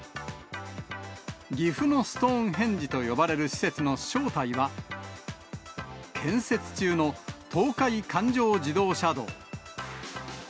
岐阜のストーンヘンジと呼ばれる施設の正体は、建設中の東海環状自動車道。